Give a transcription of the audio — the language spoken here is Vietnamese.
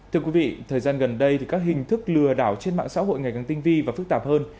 thưa quý vị thời gian gần đây các hình thức lừa đảo trên mạng xã hội ngày càng tinh vi và phức tạp hơn